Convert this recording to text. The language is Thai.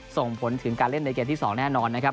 ส่งผลถึงการเล่นในเกมที่๒แน่นอนนะครับ